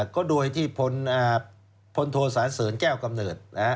ก็โดยที่พลโทสาเสริญแก้วกำเนิด